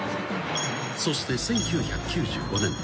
［そして１９９５年］